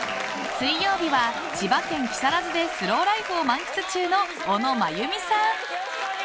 水曜日は千葉県木更津でスローライフを満喫中の小野真弓さん。